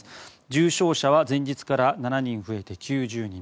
重症者は前日から７人増えて９０人。